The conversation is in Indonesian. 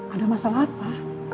ada masalah apa